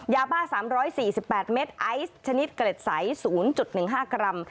ยาบ้า๓๔๘เมตรไอซ์ชนิดเกร็ดใส๐๑๕กรัม